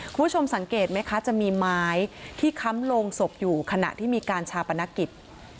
คุณผู้ชมสังเกตไหมคะจะมีไม้ที่ค้ำโลงศพอยู่ขณะที่มีการชาปนกิจ